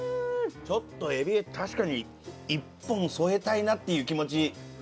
ちょっと海老確かに１本添えたいなっていう気持ち。